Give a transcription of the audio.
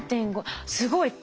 すごい。